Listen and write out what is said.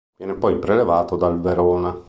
Viene poi prelevato dal Verona.